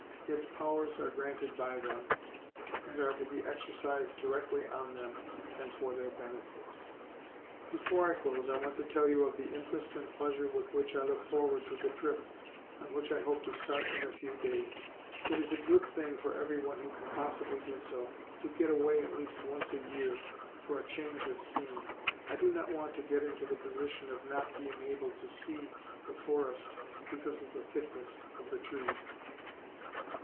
Its powers are granted by them, and are to be exercised directly on them, and for their benefits." Before I close, I want to tell you of the interest and pleasure with which I look forward to the trip on which I hope to start in a few days. It is a good thing for everyone who can possibly do so to get away at least once a year for a change of scene. I do not want to get into the position of not being able to see the forest because of the thickness of the trees.